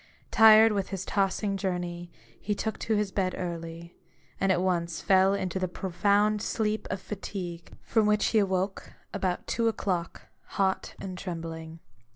Tired with his tossing journey, he took to his bed early ; and at once fell into the profound sleep of fatigue, from which he awoke, about two o'clock, hot and trembling.